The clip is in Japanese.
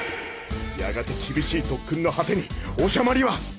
やがて厳しい特訓の果てにオシャマリは。